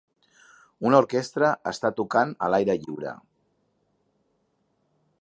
Una orquestra està tocant a l'aire lliure.